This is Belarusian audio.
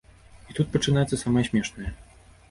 І тут пачынаецца самае смешнае.